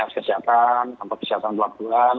jadi dinas kesehatan kampus kesehatan pelaku laluan